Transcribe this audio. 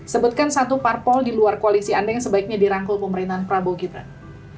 sebutkan satu parpol di luar koalisi anda yang sebaiknya dirangkul pemerintahan prabowo gibran